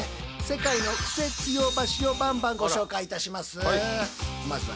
世界のクセつよ橋をバンバンご紹介いたします。